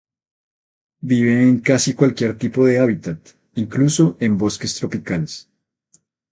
Vive en casi cualquier tipo de hábitat, incluso en bosques tropicales.